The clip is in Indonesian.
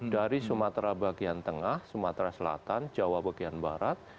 dari sumatera bagian tengah sumatera selatan jawa bagian barat